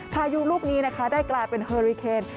พายุลูกนี้นะคะได้กลายเป็นเฮอริเคน